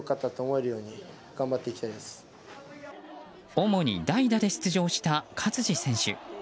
主に代打で出場した勝児選手。